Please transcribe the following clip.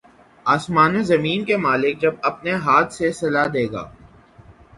آسمان و زمین کا مالک جب اپنے ہاتھ سے صلہ دے گا